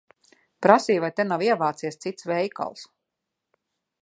Prasīju, vai te nav ievācies cits veikals.